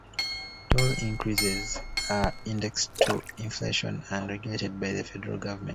Toll increases are indexed to inflation and regulated by the federal government.